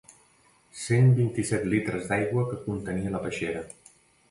Cent vint-i-set litres d'aigua que contenia la peixera.